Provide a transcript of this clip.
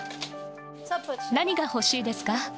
何が欲しいですか？